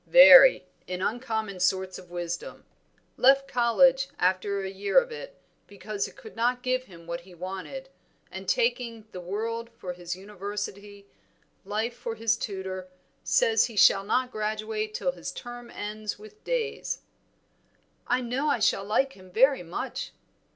"Very, in uncommon sorts of wisdom; left college after a year of it, because it could not give him what he wanted, and taking the world for his university, life for his tutor, says he shall not graduate till his term ends with days." "I know I shall like him very much."